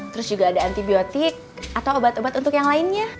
terus juga ada antibiotik atau obat obat untuk yang lainnya